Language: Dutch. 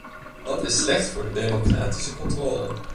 Dat is slecht voor de democratische controle.